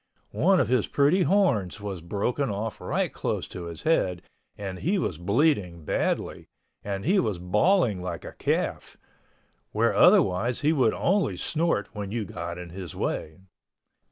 One of his pretty horns was broken off right close to his head and he was bleeding badly, and he was bawling like a calf—where otherwise he would only snort when you got in his way.